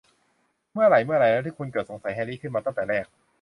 เมื่อไหร่ เมื่อไหร่แล้วที่คุณเกิดสงสัยแฮรรี่ขึ้นมาตั้งแต่แรก ?